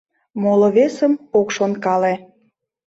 Моло-весым ок шонкале...